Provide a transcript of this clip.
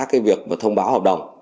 cái việc và thông báo hợp đồng